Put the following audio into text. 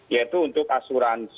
yaitu untuk asuransi